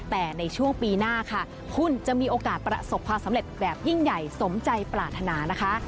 แต่ในช่วงปีหน้าค่ะคุณจะมีโอกาสประสบความสำเร็จแบบยิ่งใหญ่สมใจปรารถนานะคะ